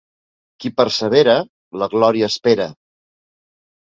Qui persevera, la glòria espera.